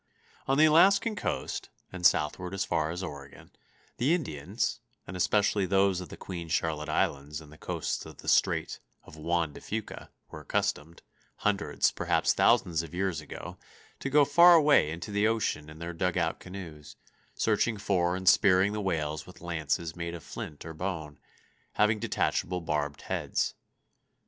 ] On the Alaskan coast, and southward as far as Oregon, the Indians, and especially those of the Queen Charlotte Islands and the coasts of the Strait of Juan de Fuca, were accustomed, hundreds, perhaps thousands of years ago, to go far away into the ocean in their dug out canoes, searching for and spearing the whales with lances made of flint or bone, having detachable barbed heads.